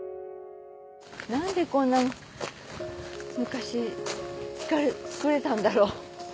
何でこんなに昔造れたんだろう？